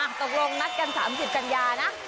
ตกลงนัดกัน๓๐กันยานะ